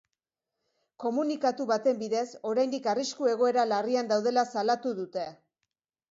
Komunikatu baten bidez, oraindik arrisku egoera larrian daudela salatu dute.